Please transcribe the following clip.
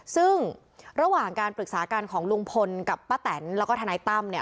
ซึ่งระหว่างการปรึกษากันของลุงพลกับป้าแตนแล้วก็ทนายตั้มเนี่ย